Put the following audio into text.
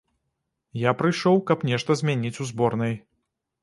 Я прыйшоў, каб нешта змяніць у зборнай.